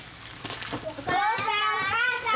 お父さんお母さん！